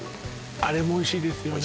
あれもおいしいですよね